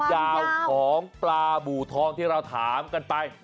ยาวของปลาบูทองที่เราถามกันไป